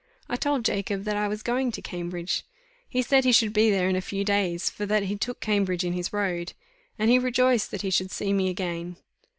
I told Jacob that I was going to Cambridge. He said he should be there in a few days, for that he took Cambridge in his road; and he rejoiced that he should see me again.